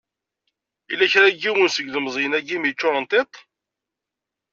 Yella kra n yiwen seg yilemẓyen-agi i m-yeččuren tiṭ?